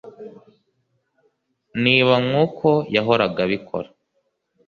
niba nkuko yahoraga abikora,